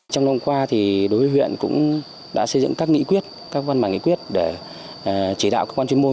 trong năm qua thì đối với huyện cũng đã xây dựng các nghị quyết các văn bản nghị quyết để chỉ đạo cơ quan chuyên môn